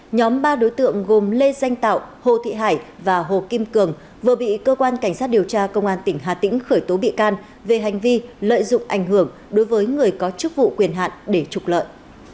nhóm ba đối tượng gồm lê danh tạo hồ thị hải và hồ kim cường vừa bị cơ quan cảnh sát điều tra công an tỉnh hà tĩnh khởi tố bị can về hành vi lợi dụng ảnh hưởng đối với người có chức vụ quyền hạn để trục lợi